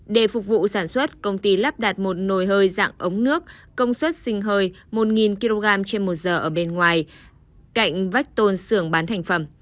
để phục vụ sản xuất công ty lắp đặt một nồi hơi dạng ống nước công suất sinh hơi một kg trên một giờ ở bên ngoài cạnh vách tôn sưởng bán thành phẩm